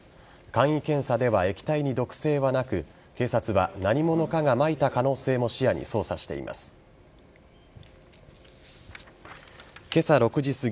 簡易検査では液体に毒性はなく警察は何者かがまいた可能性も視野に捜査しています。